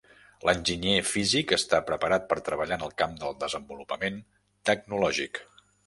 L'enginyer físic està preparat per treballar en el camp del desenvolupament tecnològic.